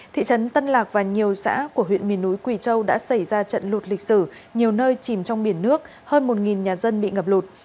thị trấn tân lạc và nhiều xã của huyện miền núi quỳ châu đã xảy ra trận lụt lịch sử nhiều nơi chìm trong biển nước hơn một nhà dân bị ngập lụt